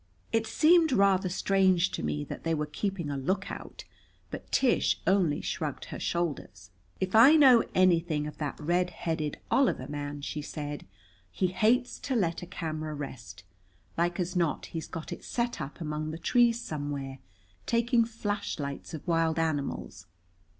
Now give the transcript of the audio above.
It seemed rather strange to me that they were keeping a lookout, but Tish only shrugged her shoulders. "If I know anything of that red headed Oliver man," she said, "he hates to let a camera rest. Like as not he's got it set up among the trees somewhere, taking flashlights of wild animals.